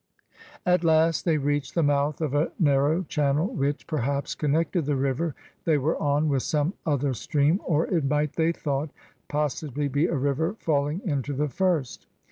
At last they reached the mouth of a narrow channel which, perhaps, connected the river they were on with some other stream, or it might, they thought, possibly be a river falling into the first.